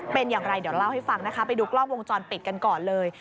เป็นอย่างไรเดี๋ยวเล่าให้ฟังนะคะไปดูกล้องวงจรปิดกันก่อนเลย